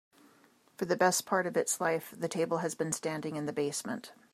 For the best part of its life, the table has been standing in the basement.